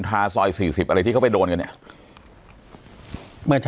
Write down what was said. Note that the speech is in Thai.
ปากกับภาคภูมิ